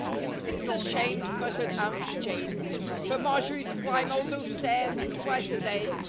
"It's a shame," sputtered Aunty Jane, "for Marjory to climb all those stairs twice a day.